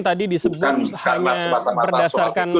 tadi disebut hanya berdasarkan